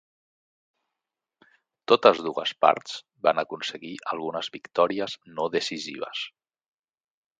Totes dues parts van aconseguir algunes victòries no decisives.